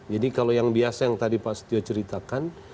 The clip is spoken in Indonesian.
jadi kalau yang biasa yang tadi pak setia ceritakan